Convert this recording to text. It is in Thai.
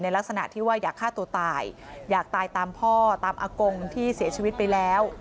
ลักษณะที่ว่าอยากฆ่าตัวตายอยากตายตามพ่อตามอากงที่เสียชีวิตไปแล้ว